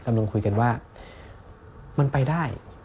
กำลังคุยกันว่ามันไปได้